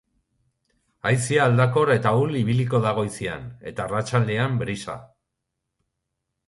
Haizea aldakor eta ahul ibiliko da goizean, eta arratsaldean, brisa.